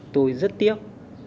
tôi rất tiếc